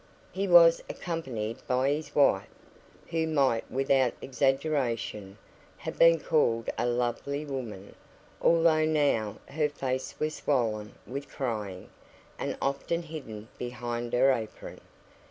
He was accompanied by his wife, who might, without exaggeration, have been called a lovely woman, although now her face was swollen with crying, and often hidden behind her apron.